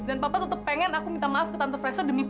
dan papa tetap ingin aku minta maaf ke tante fresno demi papa